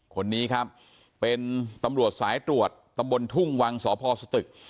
คนนี้ครับเป็นตำรวจสายตรวจตำบลทุ่งวังสพสตึก